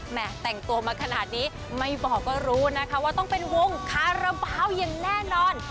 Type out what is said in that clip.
แต่งตัวมาขนาดนี้ไม่บอกก็รู้นะคะว่าต้องเป็นวงคาราบาลอย่างแน่นอน